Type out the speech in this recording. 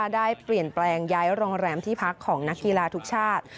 ได้เปลี่ยนแปลงย้ายโรงแรมที่พักของนักกีฬาทุกชาติ